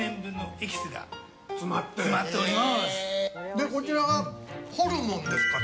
で、こちらがホルモンですか。